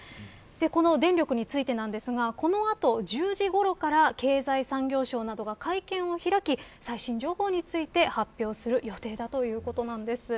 この電力についてなんですがこの後１０時ごろから経済産業省などが会見を開き最新情報について発表する予定だということです。